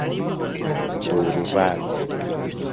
دور و ور